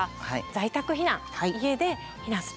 在宅避難家で避難する。